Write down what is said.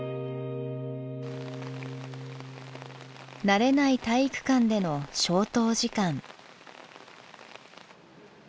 慣れない体育館での消灯時間。